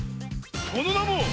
そのなも！